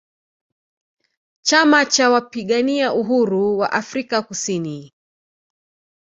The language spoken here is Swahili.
Chama Cha Wapigania Uhuru Wa Afrika Kusini